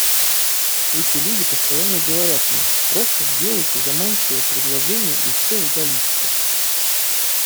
Эти люди постоянно говорят мне: «Просто сделайте заманчивое предложение, и все удалится».